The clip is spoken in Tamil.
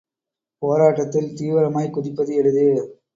போராட்டத்தில் தீவிரமாய்க் குதிப்பது எளிது.